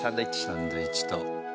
サンドイッチと。